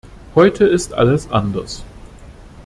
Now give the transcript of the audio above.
Heute ist alles anders.